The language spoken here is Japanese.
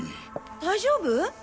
大丈夫？